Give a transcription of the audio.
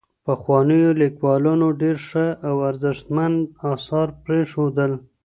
پخوانيو ليکوالانو ډېر ښه او ارزښتمن اثار پرېښودل.